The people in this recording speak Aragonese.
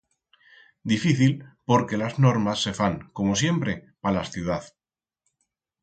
Difícil porque las normas se fan, como siempre, pa las ciudaz.